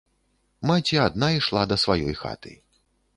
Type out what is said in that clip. Маці адна ішла да сваёй хаты.